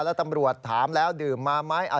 แล้วตำรวจถามแล้วดื่มมาไหม